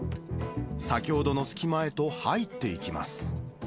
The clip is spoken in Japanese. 先ほどの隙間へと入っていきます。